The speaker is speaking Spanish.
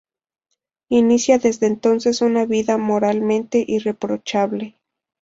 Inicia desde entonces una vida moralmente irreprochable.